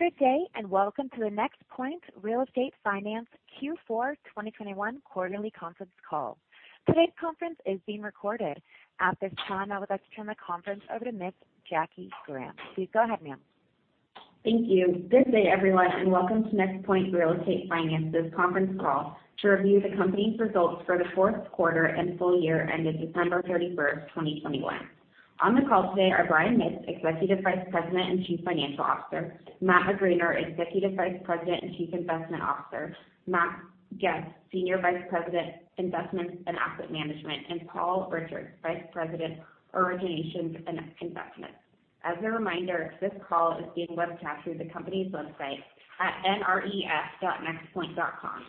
Good day, Welcome to the NexPoint Real Estate Finance Q4 2021 Quarterly Conference Call. Today's conference is being recorded. At this time, I would like to turn the conference over to Ms. Jackie Graham. Please go ahead, ma'am. Thank you. Good day, everyone, and welcome to NexPoint Real Estate Finance's conference call to review the company's results for the Q4 and full year ended December 31st, 2021. On the call today are Brian Mitts, Executive Vice President and Chief Financial Officer, Matt McGraner, Executive Vice President and Chief Investment Officer, Matt Goetz, Senior Vice President, Investments and Asset Management, and Paul Richards, Vice President, Originations and Investments. As a reminder, this call is being webcast through the company's website at nref.nexpoint.com.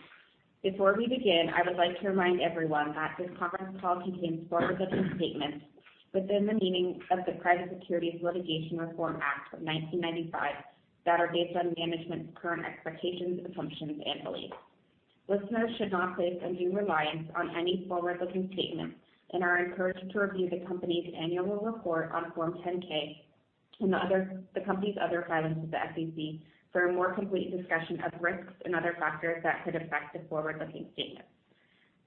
Before we begin, I would like to remind everyone that this conference call contains forward-looking statements within the meaning of the Private Securities Litigation Reform Act of 1995 that are based on management's current expectations, assumptions, and beliefs. Listeners should not place undue reliance on any forward-looking statements and are encouraged to review the company's annual report on Form 10-K and the company's other filings with the SEC for a more complete discussion of risks and other factors that could affect the forward-looking statements.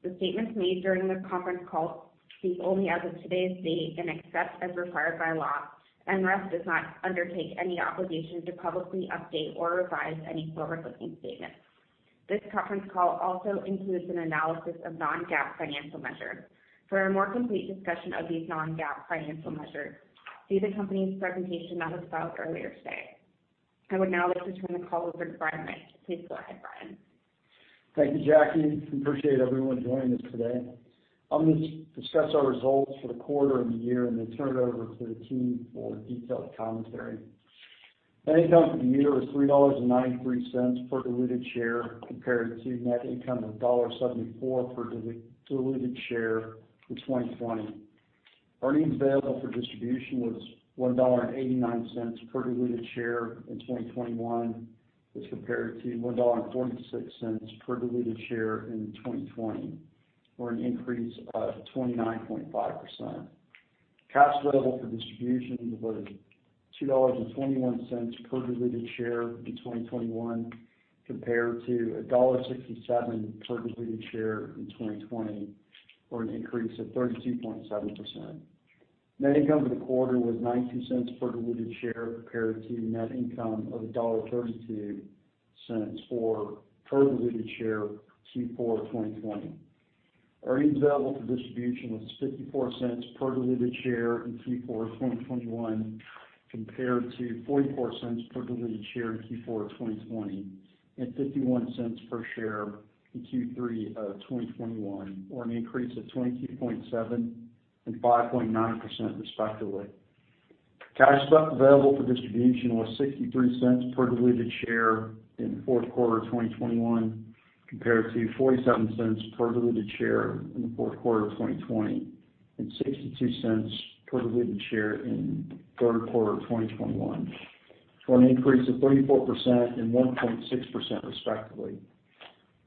The statements made during this conference call speak only as of today's date and except as required by law, NREF does not undertake any obligation to publicly update or revise any forward-looking statements. This conference call also includes an analysis of non-GAAP financial measures. For a more complete discussion of these non-GAAP financial measures, see the company's presentation that was filed earlier today. I would now like to turn the call over to Brian Mitts. Please go ahead, Brian. Thank you, Jackie. Appreciate everyone joining us today. I'm gonna discuss our results for the quarter and the year, and then turn it over to the team for detailed commentary. Net income for the year was $3.93 per diluted share compared to net income of $1.74 per diluted share in 2020. Earnings available for distribution was $1.89 per diluted share in 2021 as compared to $1.46 per diluted share in 2020, or an increase of 29.5%. Cash available for distribution was $2.21 per diluted share in 2021 compared to $1.67 per diluted share in 2020, or an increase of 32.7%. Net income for the quarter was $0.09 per diluted share compared to net income of $1.32 per diluted share Q4 2020. Earnings available for distribution was $0.54 per diluted share in Q4 2021 compared to $0.44 per diluted share in Q4 2020 and $0.51 per share in Q3 2021, or an increase of 22.7% and 5.9% respectively. Cash available for distribution was $0.63 per diluted share in the Q4 of 2021 compared to $0.47 per diluted share in the Q4 of 2020 and $0.62 per diluted share in Q3 of 2021, for an increase of 34% and 1.6% respectively.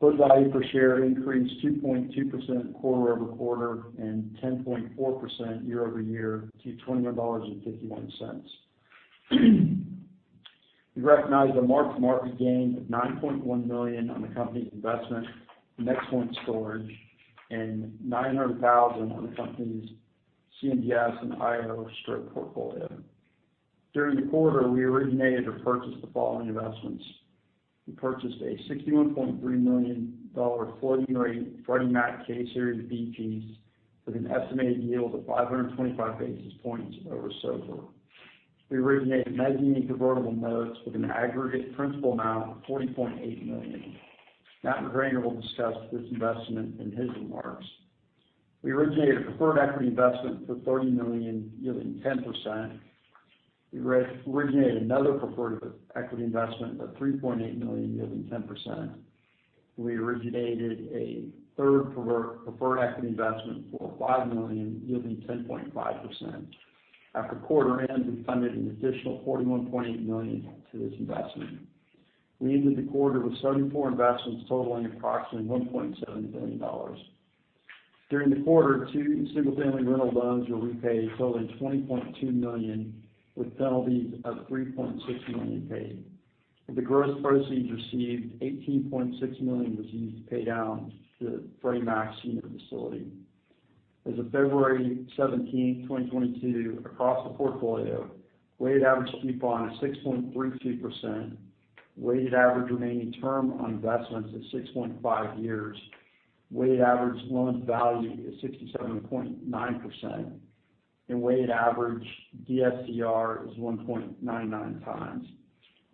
Book value per share increased 2.2% quarter-over-quarter and 10.4% year-over-year to $21.51. We recognized a mark-to-market gain of $9.1 million on the company's investment in NexPoint Storage and $900,000 on the company's CMBS and IO strip portfolio. During the quarter, we originated or purchased the following investments. We purchased a $61.3 million floating rate Freddie Mac K-Series B-piece with an estimated yield of 525 basis points over SOFR. We originated mezzanine convertible notes with an aggregate principal amount of $40.8 million. Matt McGraner will discuss this investment in his remarks. We originated a preferred equity investment for $30 million yielding 10%. We re-originated another preferred equity investment of $3.8 million yielding 10%. We originated a third preferred equity investment for $5 million yielding 10.5%. After quarter end, we funded an additional $41.8 million to this investment. We ended the quarter with 74 investments totaling approximately $1.7 billion. During the quarter, two single-family rental loans were repaid totaling $20.2 million with penalties of $3.6 million paid. Of the gross proceeds received, $18.6 million was used to pay down the Freddie Mac senior facility. As of February 17th, 2022, across the portfolio, weighted average coupon is 6.32%, weighted average remaining term on investments is 6.5 years. Weighted average loan-to-value is 67.9%, and weighted average DSCR is 1.99x.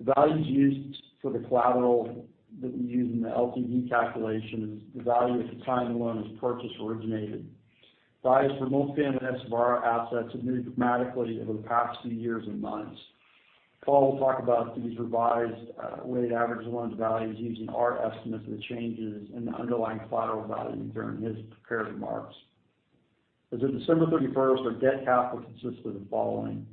The values used for the collateral that we use in the LTV calculation is the value at the time the loan was purchased or originated. Values for multifamily and SFR assets have moved dramatically over the past few years and months. Paul will talk about these revised weighted average loans values using our estimates of the changes in the underlying collateral value during his prepared remarks. As of December 31st, our debt capital consisted of the following: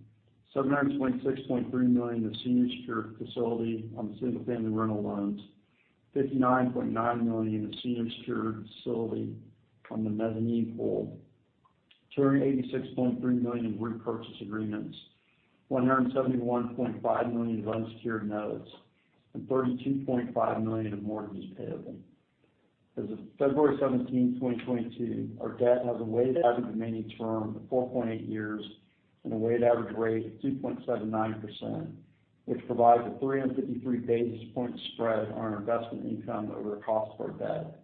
$766.3 million in senior secured facility on the single-family rental loans, $59.9 million in the senior secured facility on the mezzanine pool, $286.3 million in repurchase agreements, $171.5 million of unsecured notes, and $32.5 million in mortgages payable. As of February 17th, 2022, our debt has a weighted average remaining term of 4.8 years and a weighted average rate of 2.79%, which provides a 353 basis point spread on our investment income over the cost of our debt.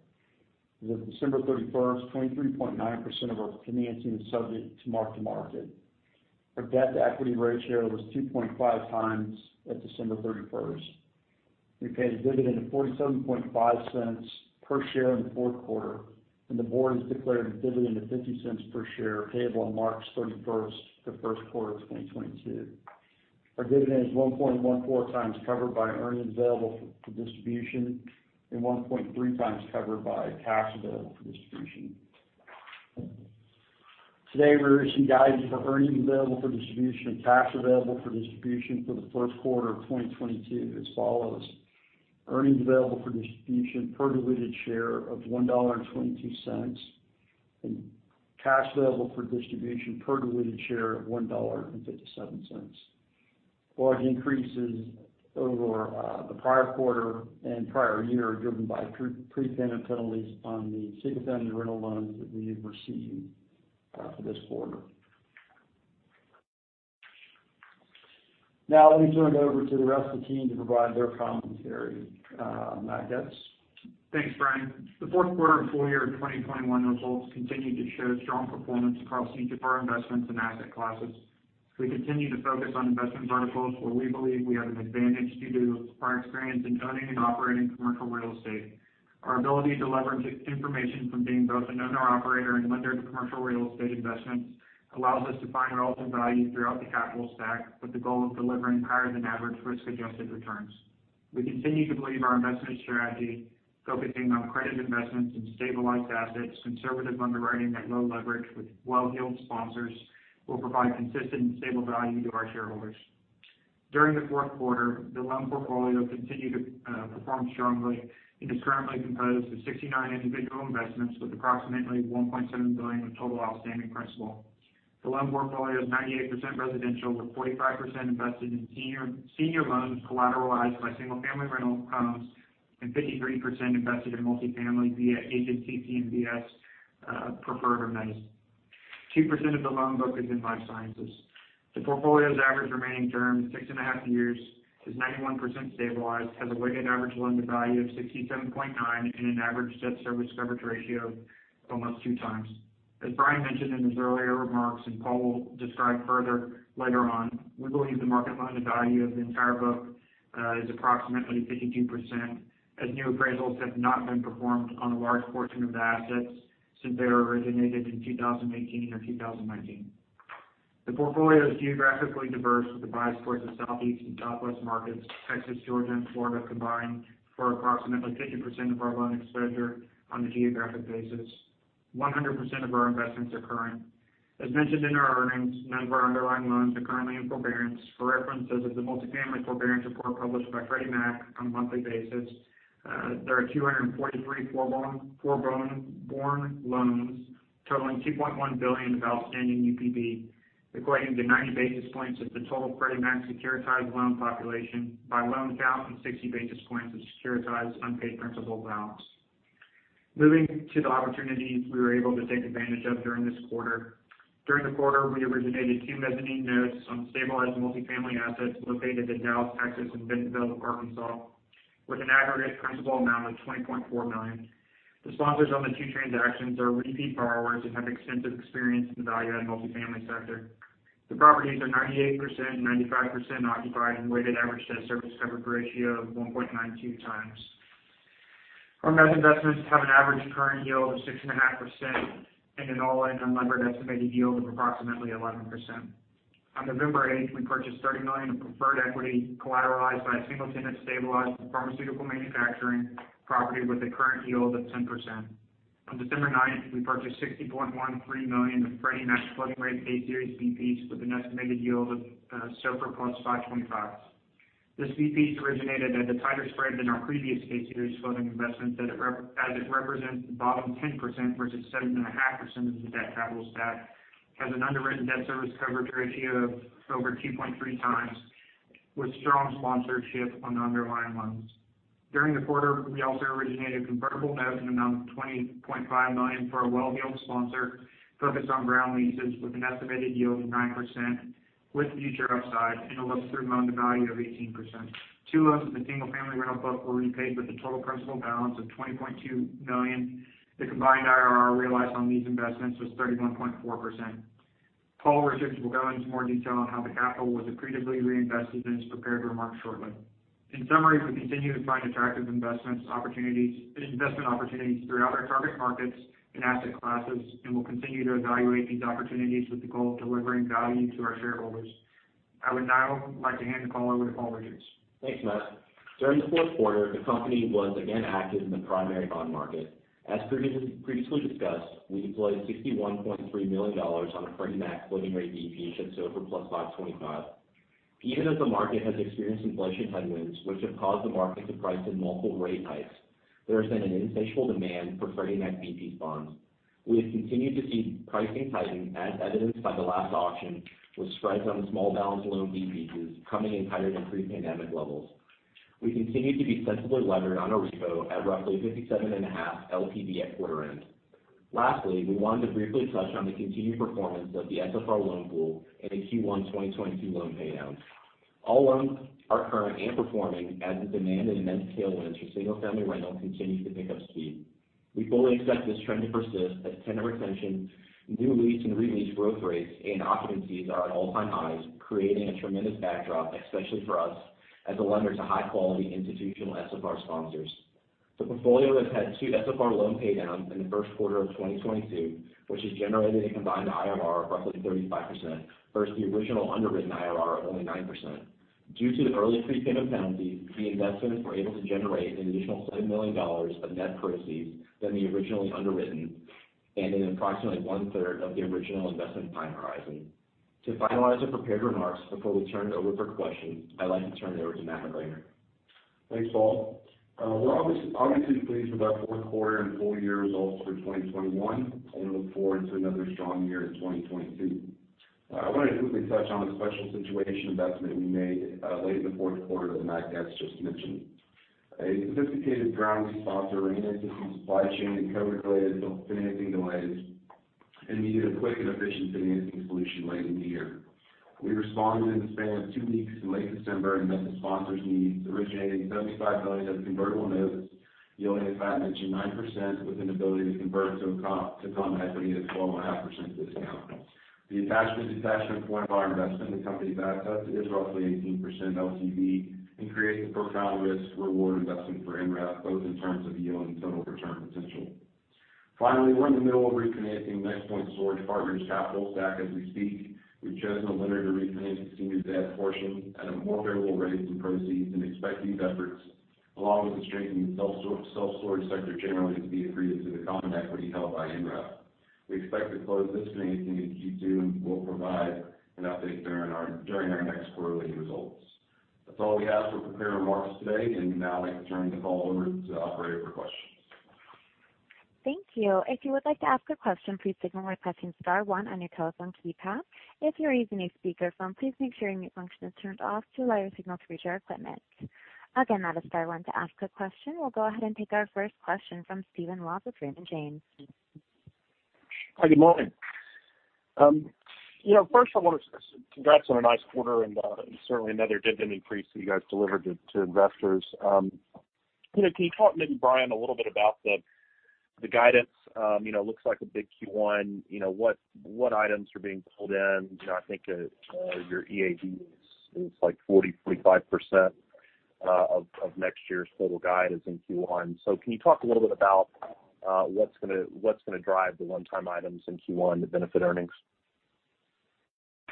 As of December 31st, 23.9% of our financing is subject to mark-to-market. Our debt-to-equity ratio was 2.5x at December 31st. We paid a dividend of $0.475 per share in the Q4, and the board has declared a dividend of $0.50 per share payable on March 31st for Q1 of 2022. Our dividend is 1.14x covered by earnings available for distribution and 1.3x covered by cash available for distribution. Today, we are issuing guidance for earnings available for distribution and cash available for distribution for the Q1 of 2022 as follows, earnings available for distribution per diluted share of $1.22, and cash available for distribution per diluted share of $1.57. Large increases over the prior quarter and prior year are driven by prepayment penalties on the single-family rental loans that we have received for this quarter. Now let me turn it over to the rest of the team to provide their commentary. Matt Goetz? Thanks, Brian. The Q4 and full year of 2021 results continued to show strong performance across each of our investments and asset classes. We continue to focus on investment verticals where we believe we have an advantage due to our experience in owning and operating commercial real estate. Our ability to leverage information from being both an owner/operator and lender to commercial real estate investments allows us to find relative value throughout the capital stack with the goal of delivering higher than average risk-adjusted returns. We continue to believe our investment strategy, focusing on credit investments and stabilized assets, conservative underwriting at low leverage with well-heeled sponsors, will provide consistent and stable value to our shareholders. During the Q4, the loan portfolio continued to perform strongly and is currently composed of 69 individual investments with approximately $1.7 billion of total outstanding principal. The loan portfolio is 98% residential, with 45% invested in senior loans collateralized by single-family rental homes and 53% invested in multifamily via agency CMBS, preferred or mezz. 2% of the loan book is in life sciences. The portfolio's average remaining term, 6.5 years, is 91% stabilized, has a weighted average loan-to-value of 67.9% and an average debt service coverage ratio of almost two times. As Brian mentioned in his earlier remarks, and Paul will describe further later on, we believe the market loan-to-value of the entire book is approximately 52%, as new appraisals have not been performed on a large portion of the assets since they were originated in 2018 or 2019. The portfolio is geographically diverse with a bias towards the Southeast and Southwest markets. Texas, Georgia, and Florida combined for approximately 50% of our loan exposure on a geographic basis. 100% of our investments are current. As mentioned in our earnings, none of our underlying loans are currently in forbearance. For reference, as of the multifamily forbearance report published by Freddie Mac on a monthly basis, there are 243 forborne loans totaling $2.1 billion of outstanding UPB, equating to 90 basis points of the total Freddie Mac securitized loan population by loan count and 60 basis points of securitized unpaid principal balance. Moving to the opportunities we were able to take advantage of during this quarter. During the quarter, we originated two mezzanine notes on stabilized multifamily assets located in Dallas, Texas and Bentonville, Arkansas, with an aggregate principal amount of $20.4 million. The sponsors on the two transactions are repeat borrowers and have extensive experience in the value-add multifamily sector. The properties are 98% and 95% occupied and weighted average debt service coverage ratio of 1.92x. Our mezz investments have an average current yield of 6.5% and an all-in unlevered estimated yield of approximately 11%. On November 8th, we purchased $30 million of preferred equity collateralized by a single-tenant stabilized pharmaceutical manufacturing property with a current yield of 10%. On December 9th, we purchased $60.13 million of Freddie Mac floating-rate K-Series B-piece with an estimated yield of SOFR + 525. This B-piece is originated at a tighter spread than our previous K-Series floating investments as it represents the bottom 10% versus 7.5% of the debt capital stack, has an underwritten debt service coverage ratio of over 2.3x, with strong sponsorship on the underlying loans. During the quarter, we also originated a convertible note in the amount of $20.5 million for a well-heeled sponsor focused on ground leases with an estimated yield of 9% with future upside and a look-through loan-to-value of 18%. Two loans of the single-family rental book were repaid with a total principal balance of $20.2 million. The combined IRR realized on these investments was 31.4%. Paul Richards will go into more detail on how the capital was accretively reinvested in his prepared remarks shortly. In summary, we continue to find attractive investment opportunities throughout our target markets and asset classes, and we'll continue to evaluate these opportunities with the goal of delivering value to our shareholders. I would now like to hand the call over to Paul Richards. Thanks, Matt. During the Q4, the company was again active in the primary bond market. As previously discussed, we deployed $61.3 million on a Freddie Mac floating-rate B-piece at SOFR + 525. Even as the market has experienced inflation headwinds, which have caused the market to price in multiple rate hikes, there has been an initial demand for 30-year B-piece bonds. We have continued to see pricing tighten as evidenced by the last auction, with spreads on small balance loan B-piece coming in tighter than pre-pandemic levels. We continue to be sensibly levered on our repo at roughly 57.5 LTV at quarter end. Lastly, we wanted to briefly touch on the continued performance of the SFR loan pool in the Q1 2022 loan pay downs. All loans are current and performing as the demand and immense tailwinds for single-family rental continues to pick up speed. We fully accept this trend to persist as tenant retention, new lease and re-lease growth rates and occupancies are at all-time highs, creating a tremendous backdrop, especially for us as a lender to high quality institutional SFR sponsors. The portfolio has had two SFR loan pay downs in the Q1 of 2022, which has generated a combined IRR of roughly 35% versus the original underwritten IRR of only 9%. Due to the early prepayment penalties, the investments were able to generate an additional $7 million of net proceeds than the originally underwritten and in approximately one-third of the original investment time horizon. To finalize the prepared remarks before we turn it over for questions, I'd like to turn it over to Matt McGraner. Thanks, Paul. We're obviously pleased with our Q4 and full year results for 2021, and we look forward to another strong year in 2022. I wanted to quickly touch on a special situation investment we made late in the Q4 that Matt McGraner just mentioned. A sophisticated ground lease sponsor ran into some supply chain and COVID-related financing delays and needed a quick and efficient financing solution late in the year. We responded in the span of two weeks in late December and met the sponsor's needs, originating $75 million of convertible notes yielding a fat 19% with an ability to convert to common equity at a 12.5% discount. The attachment/detachment point of our investment in the company's assets is roughly 18% LTV and creates a favorable risk-reward investment for NREF, both in terms of yield and total return potential. Finally, we're in the middle of refinancing NexPoint Storage Partners' capital stack as we speak. We've chosen a lender to refinance the senior debt portion at a more favorable rate and proceeds and expect these efforts along with the strengthening self-storage sector generally to be accretive to the common equity held by NREF. We expect to close this financing in Q2, and we'll provide an update during our next quarterly results. That's all we have for prepared remarks today, and now I can turn the call over to the operator for questions. Thank you. If you would like to ask a question, please signal by pressing star one on your telephone keypad. If you're using a speakerphone, please make sure your mute function is turned off to allow your signal to reach our equipment. Again, that is star one to ask a question. We'll go ahead and take our first question from Stephen Laws with Raymond James. Hi, good morning. You know, first I want to say congrats on a nice quarter and certainly another dividend increase that you guys delivered to investors. You know, can you talk maybe, Brian, a little bit about the guidance? You know, it looks like a big Q1. You know, what items are being pulled in? You know, I think your EAD is like 45% of next year's total guidance in Q1. Can you talk a little bit about what's gonna drive the one-time items in Q1 to benefit earnings?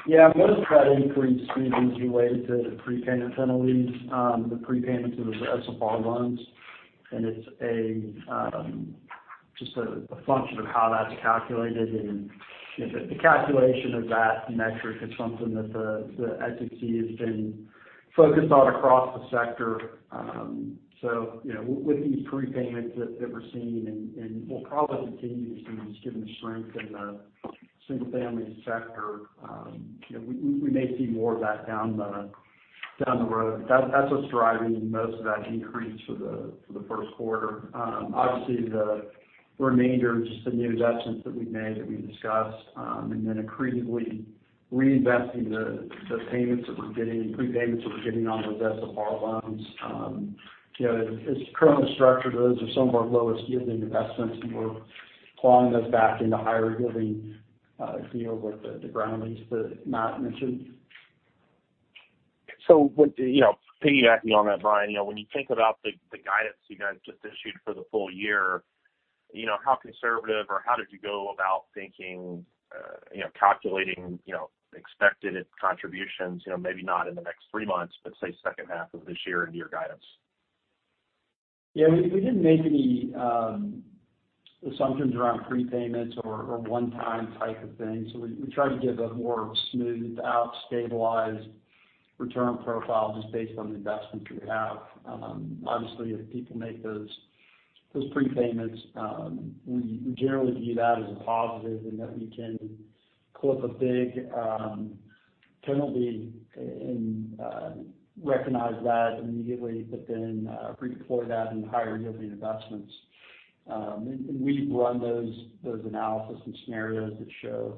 Yeah. Most of that increase, Stephen, is related to the prepayment penalties, the prepayments of the SFR loans. It's just a function of how that's calculated. You know, the calculation of that metric is something that the SEC has been focused on across the sector. You know, with these prepayments that we're seeing and we'll probably continue to see just given the strength in the single-family sector, you know, we may see more of that down the road. That's what's driving most of that increase for the Q1. Obviously, the remainder is just the new investments that we've made that we discussed, and then accretively reinvesting the payments that we're getting, prepayments that we're getting on those SFR loans. You know, as currently structured, those are some of our lowest yielding investments, and we're plowing those back into higher yielding, you know, with the ground lease that Matt mentioned. What, you know, piggybacking on that, Brian, you know, when you think about the guidance you guys just issued for the full year, you know, how conservative or how did you go about thinking, you know, calculating, you know, expected contributions, you know, maybe not in the next three months but say second half of this year into your guidance? Yeah. We didn't make any assumptions around prepayments or one-time type of things. We try to give a more smoothed out, stabilized return profile just based on the investments we have. Obviously, if people make those prepayments, we generally view that as a positive in that we can clip a big penalty and recognize that immediately, but then redeploy that in higher yielding investments. We've run those analysis and scenarios that show,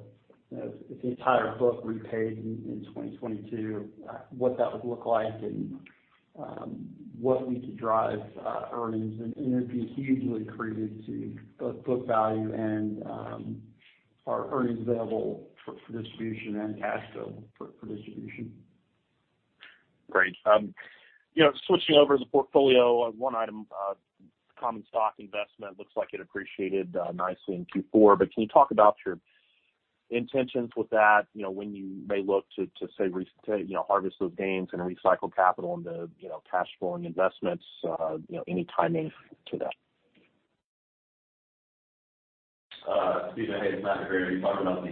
you know, if the entire book repaid in 2022, what that would look like and what we could drive earnings. It'd be hugely accretive to both book value and our earnings available for distribution. Great. You know, switching over to the portfolio, one item, common stock investment looks like it appreciated nicely in Q4. Can you talk about your intentions with that? You know, when you may look to say, you know, harvest those gains and recycle capital into, you know, cash flowing investments, you know, any timing to that? Stephen, hey, it's Matt McGraner. Are you talking about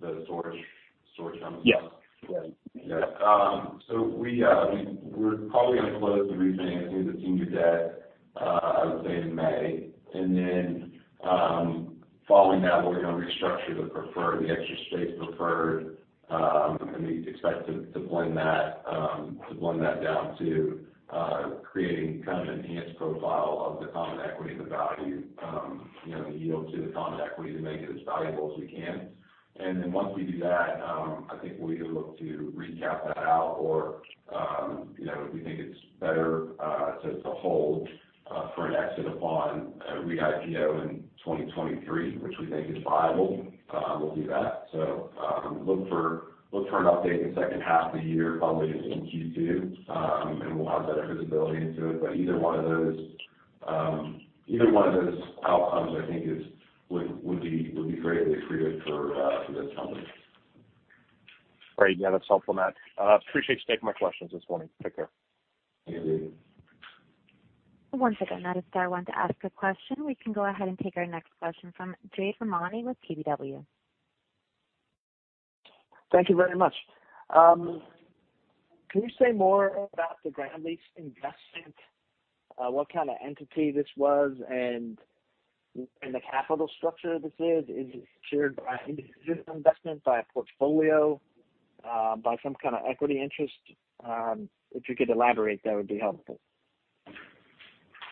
the storage on this one? Yes. Right. Yeah. So we're probably gonna close the refinancing of the senior debt, I would say in May. Following that, we're gonna restructure the preferred, the Extra Space preferred, and we expect to blend that down to creating kind of an enhanced profile of the common equity, the value, you know, the yield to the common equity to make it as valuable as we can. Once we do that, I think we look to recap that out or, you know, if we think it's better to hold for an exit upon a re-IPO in 2023, which we think is viable, we'll do that. Look for an update in the second half of the year, probably in Q2, and we'll have better visibility into it. Either one of those outcomes I think would be greatly accretive for this company. Great. Yeah, that's helpful, Matt. I appreciate you taking my questions this morning. Take care. Thank you. Once again, that is star one to ask a question. We can go ahead and take our next question from Jade Rahmani with KBW. Thank you very much. Can you say more about the ground lease investment? What kind of entity this was and the capital structure this is? Is it shared by an individual investment, by a portfolio, by some kind of equity interest? If you could elaborate, that would be helpful.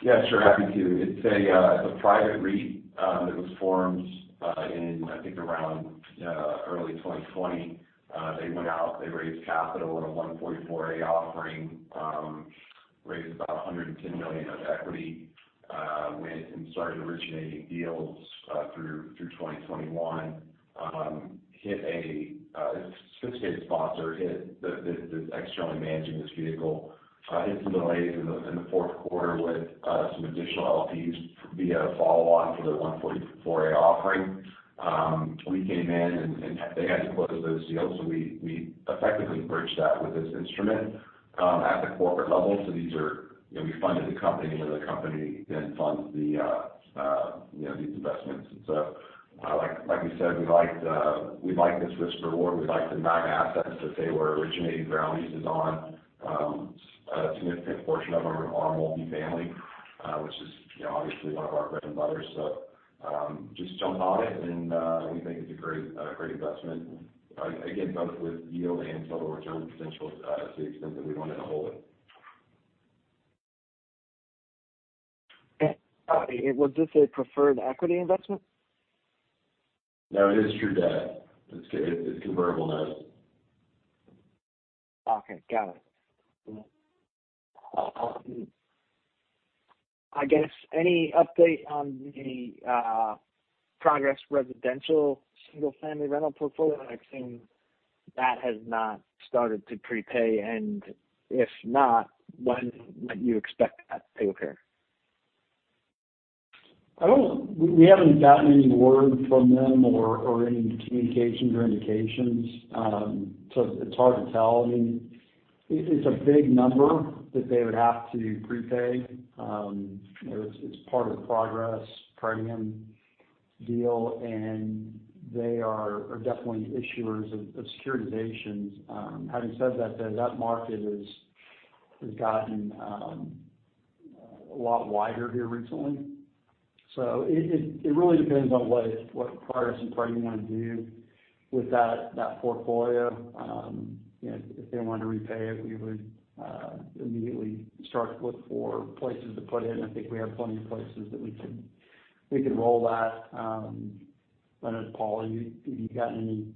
Yeah, sure. Happy to. It's a private REIT that was formed in I think around early 2020. They went out, they raised capital in a Rule 144A offering, raised about $100 million of equity, went and started originating deals through 2021. It's a sophisticated sponsor that's externally managing this vehicle. Hit some delays in the Q4 with some additional LPs via follow-on for their Rule 144A offering. We came in and they had to close those deals. We effectively bridged that with this instrument at the corporate level. These are you know, we funded the company, and then the company then funds the you know, these investments. Like you said, we liked, we like this risk reward. We like the nine assets that they were originating ground leases on, a significant portion of them are multifamily, which is, you know, obviously one of our bread and butters. Just jumped on it and, we think it's a great investment. Again, both with yield and total return potential, to the extent that we wanted to hold it. Okay. Was this a preferred equity investment? No, it is true debt. It's a convertible note. Okay. Got it. I guess any update on the Progress Residential single-family rental portfolio? I've seen that has not started to prepay. If not, when might you expect that to occur? We haven't gotten any word from them or any communications or indications. So it's hard to tell. I mean, it's a big number that they would have to prepay. You know, it's part of the Progress Residential deal, and they are definitely issuers of securitizations. Having said that, though, that market has gotten a lot wider here recently. So it really depends on what Progress Residential want to do with that portfolio. You know, if they wanted to repay it, we would immediately start to look for places to put it, and I think we have plenty of places that we could roll that. I don't know. Paul, have you gotten any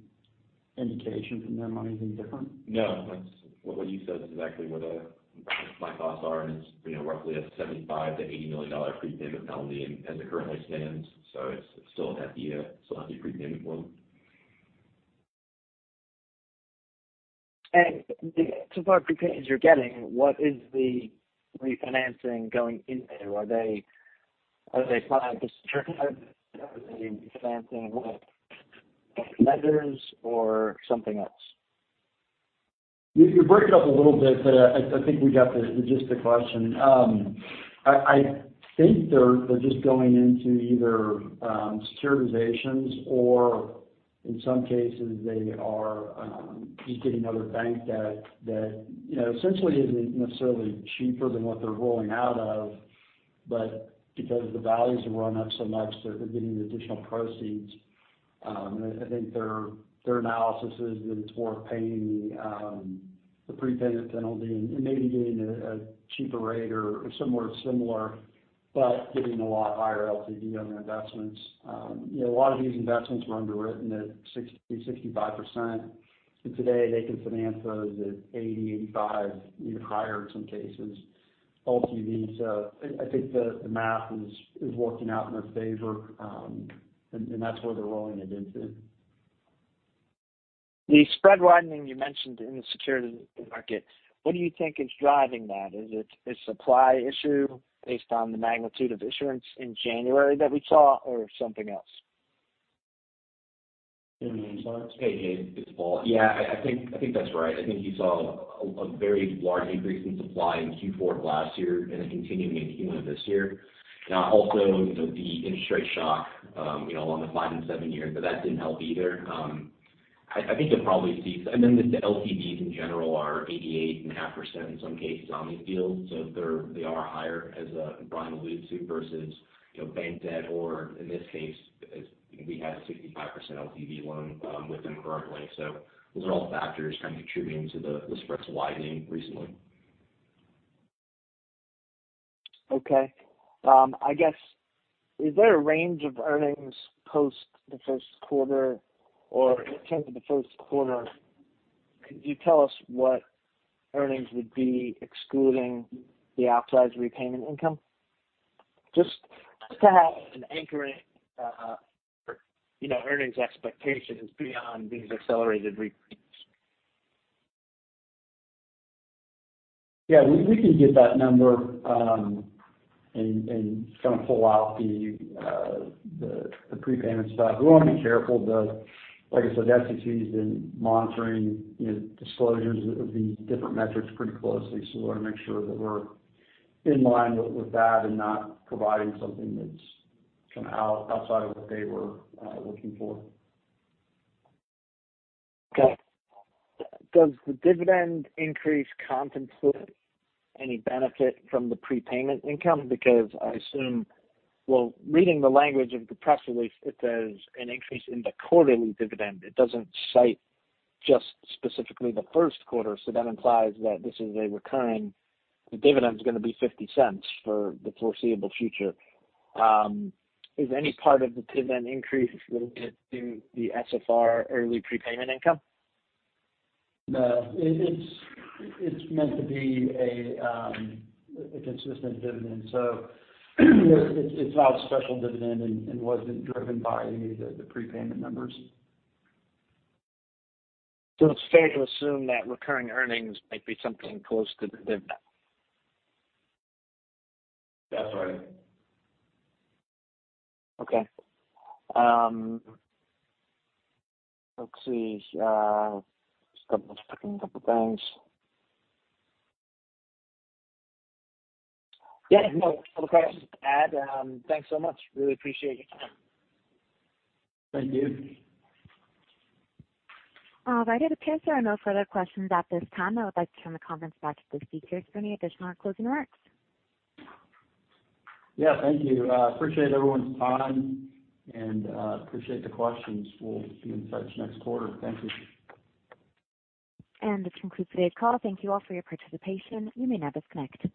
indication from them on anything different? No. That's what you said is exactly what my thoughts are, and it's, you know, roughly a $75 million-$80 million prepayment penalty as it currently stands. It's still a half year, still has a prepayment window. So far prepayments you're getting, what is the refinancing going into? Are they filing this refinancing with lenders or something else? You break it up a little bit, but I think we got the gist of the question. I think they're just going into either securitizations or in some cases they are just getting another bank that, you know, essentially isn't necessarily cheaper than what they're rolling out of. But because the values have run up so much, they're getting the additional proceeds. I think their analysis is that it's worth paying the prepayment penalty and maybe getting a cheaper rate or somewhere similar, but getting a lot higher LTV on their investments. You know, a lot of these investments were underwritten at 60%-65%. Today they can finance those at 80-85%, even higher in some cases, LTV. I think the math is working out in their favor, and that's where they're rolling it into. The spread widening you mentioned in the securities market, what do you think is driving that? Is it a supply issue based on the magnitude of issuance in January that we saw or something else? Hey, Jade, it's Paul. Yeah, I think that's right. I think you saw a very large increase in supply in Q4 of last year and a continuing in Q1 of this year. Now also, you know, the interest rate shock, you know, on the five- and seven-year, but that didn't help either. I think you'll probably see the LTVs in general are 88.5% in some cases on these deals. So they're higher as Brian alludes to versus, you know, bank debt or in this case, as we had a 65% LTV loan with them currently. So those are all factors kind of contributing to the spreads widening recently. Okay. I guess, is there a range of earnings post the Q1 or in terms of the Q1, could you tell us what earnings would be excluding the upside repayment income? Just to have an anchoring, you know, earnings expectations beyond these accelerated repayments. Yeah. We can get that number and kind of pull out the prepayment stuff. We wanna be careful though. Like I said, the SEC has been monitoring, you know, disclosures of these different metrics pretty closely, so we wanna make sure that we're in line with that and not providing something that's kind of outside of what they were looking for. Okay. Does the dividend increase compensate any benefit from the prepayment income? Because I assume. Well, reading the language of the press release, it says an increase in the quarterly dividend. It doesn't cite just specifically the Q1, so that implies that this is a recurring. The dividend's gonna be $0.50 for the foreseeable future. Is any part of the dividend increase related to the SFR early prepayment income? No. It's meant to be a consistent dividend. It's not a special dividend and wasn't driven by any of the prepayment numbers. It's fair to assume that recurring earnings might be something close to the dividend. That's right. Okay. Let's see. Just double-checking a couple things. Yeah. No further questions. Thanks so much. Really appreciate your time. Thank you. All right. It appears there are no further questions at this time. I would like to turn the conference back to the speakers for any additional or closing remarks. Yeah. Thank you. Appreciate everyone's time and appreciate the questions. We'll be in touch next quarter. Thank you. This concludes today's call. Thank you all for your participation. You may now disconnect.